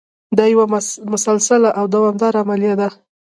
دا یوه مسلسله او دوامداره عملیه ده.